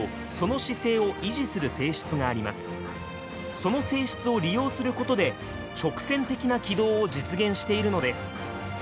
その性質を利用することで直線的な軌道を実現しているのです。